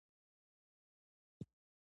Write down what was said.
افغانستان په انګور غني دی.